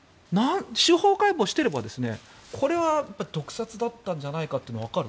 司法解剖していればこれは毒殺だったんじゃないかというのがわかる。